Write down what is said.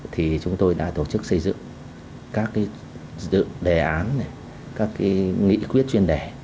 thì chúng tôi đã tổ chức xây dựng các dự đề án các nghị quyết chuyên đề